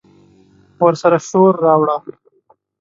ورسره شور، راوړه